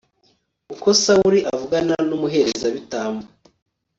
uko sawuli avugana n'umuherezabitambo